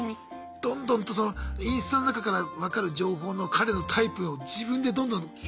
どんどんとそのインスタの中から分かる情報の彼のタイプを自分でどんどん。